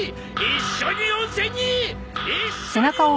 一緒に温泉に！